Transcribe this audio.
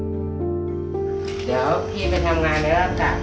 เดี๋ยวพี่ไปทำงานแล้วจ้ะ